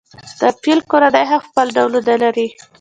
د فیل کورنۍ هم خپل ډولونه لري.